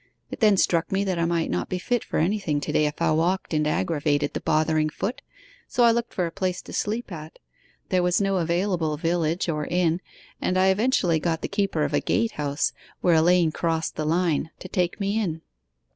It then struck me that I might not be fit for anything to day if I walked and aggravated the bothering foot, so I looked for a place to sleep at. There was no available village or inn, and I eventually got the keeper of a gate house, where a lane crossed the line, to take me in.